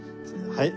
はい。